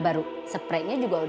baiklah bang somad